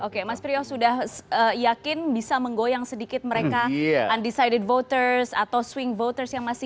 oke mas priyo sudah yakin bisa menggoyang sedikit mereka undecided voters atau swing voters yang masih